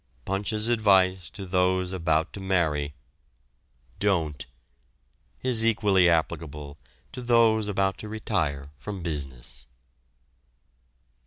Punch's advice to those about to marry, "Don't," is equally applicable to those about to retire from business.